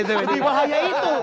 lebih bahaya itu